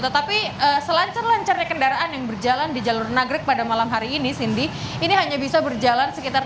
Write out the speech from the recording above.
tetapi selancar lancarnya kendaraan yang berjalan di jalur nagrek pada malam hari ini cindy ini hanya bisa berjalan sekitar